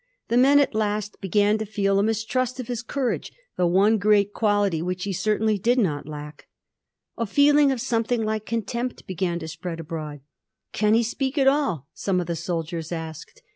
The men at last began to feel a mistrust of his courage — ^the one great quality which he certainly did not lack. A feeling of some thing like contempt began to spread abroad. ' Can he speak at all?' some of the soldiers asked.